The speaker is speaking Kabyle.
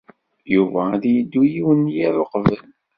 Yuba ad yeddu yiwen n yiḍ uqbel.